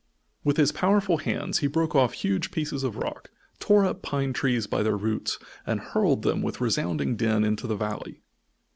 With his powerful hands he broke off huge pieces of rock, tore up pine trees by their roots and hurled them with resounding din into the valley.